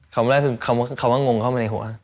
คำว่างงเข้ามาในหัว